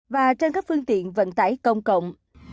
và trên các phương tiện vận tải công cộng